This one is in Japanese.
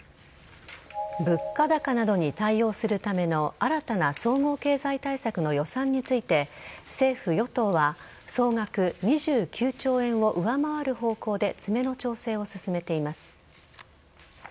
物価高などに対応するための新たな総合経済対策の予算について政府・与党は総額２９兆円を上回る方向で詰めの調整を進めています。